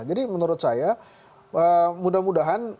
menurut saya mudah mudahan